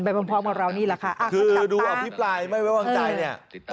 ไปฟังเสียงท่านแล้วกันค่ะ